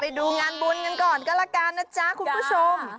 ไปดูงานบุญกันก่อนก็ละกันนะจ๊ะคุณผู้ชม